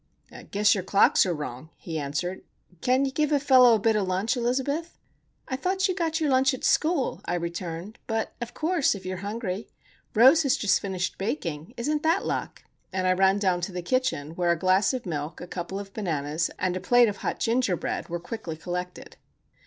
"'Guess your clocks are wrong," he answered. "Can you give a fellow a bit of lunch, Elizabeth?" "I thought you got your lunch at school," I returned. "But, of course,—if you are hungry. Rose has just finished baking. Isn't that luck?" And I ran down to the kitchen, where a glass of milk, a couple of bananas, and a plate of hot ginger bread were quickly collected.